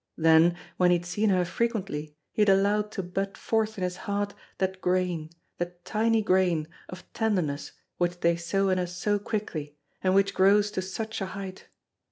Then, when he had seen her frequently, he had allowed to bud forth in his heart that grain, that tiny grain, of tenderness which they sow in us so quickly, and which grows to such a height.